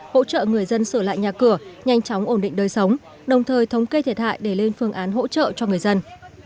hỗ trợ người dân sửa lại nhà cửa nhanh chóng ổn định đời sống đồng thời thống kê thiệt hại để lên phương án hỗ trợ cho người dân